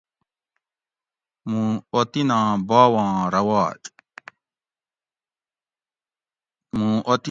مُوں اوطِناں باواں رواج